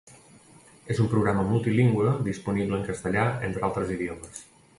És un programa multilingüe disponible en castellà entre altres idiomes.